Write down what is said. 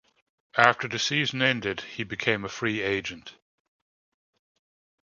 After the season ended, he became a free agent.